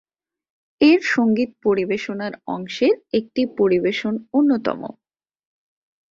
এর সঙ্গীত পরিবেশনার অংশের একটি পরিবেশন অন্যতম।